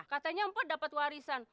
katanya mpa dapat warisan